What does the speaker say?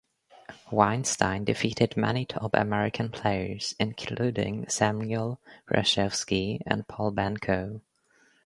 Weinstein defeated many top American players, including Samuel Reshevsky and Pal Benko.